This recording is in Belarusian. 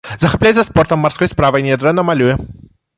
Захапляецца спортам, марской справай, нядрэнна малюе.